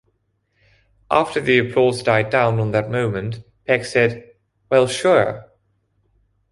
After the applause died down on that moment, Peck said, Well, sure!